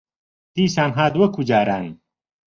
دیسان هات وەکوو جاران